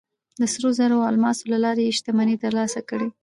د سرو زرو او الماسو له لارې یې شتمنۍ ترلاسه کړې.